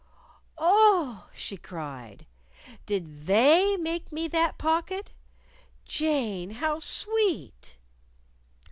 "Oh!" she cried; "did They make me that pocket? Jane, how sweet!"